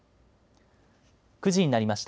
９時になりました。